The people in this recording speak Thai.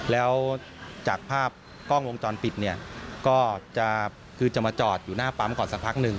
แล้วจากภาพกล้องวงจรปิดเนี่ยก็คือจะมาจอดอยู่หน้าปั๊มก่อนสักพักหนึ่ง